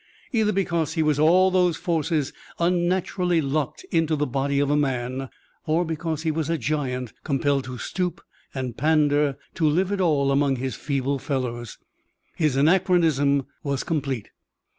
Either because he was all those forces unnaturally locked in the body of a man, or because he was a giant compelled to stoop and pander to live at all among his feeble fellows, his anachronism was complete.